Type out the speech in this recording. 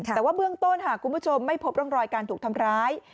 แต่ว่าเบื้องต้นหากคุณผู้ชมไม่พบร่องรอยการถูกทำร้าย